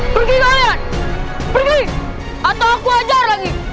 volker ayo pergi atau aku aja lagi